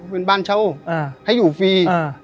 เป็นบ้านเช่าให้อยู่ฟรี